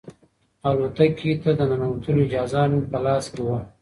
الوتکې ته د ننوتلو اجازه مې په لاس کې وه.